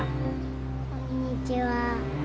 こんにちは。